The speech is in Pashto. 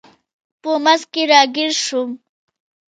په منځ کې راګیر شوم.